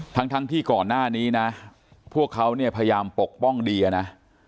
ทั้งที่ก่อนหน้านี้นะพวกเขาเนี่ยพยายามปกป้องเดียนะ